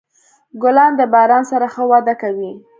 ګلان د باران سره ښه وده کوي.